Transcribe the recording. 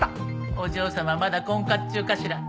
お嬢様まだ婚活中かしら？